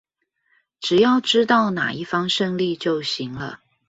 只要知道那一方勝利就行了